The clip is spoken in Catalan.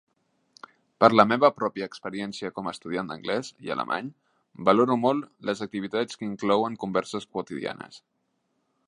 Per la meva pròpia experiència com a estudiant d'anglès i alemany, valoro molt les activitats que inclouen converses quotidianes.